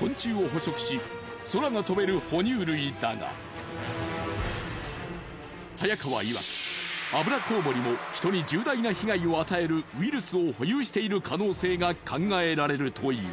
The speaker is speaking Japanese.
昆虫を捕食し空が飛べる哺乳類だが早川いわくアブラコウモリも人に重大な被害を与えるウイルスを保有している可能性が考えられるという。